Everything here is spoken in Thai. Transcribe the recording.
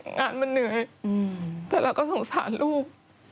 งานมันเหนื่อยแต่เราก็สงสารลูก